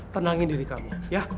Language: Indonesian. tenangin diri kamu ya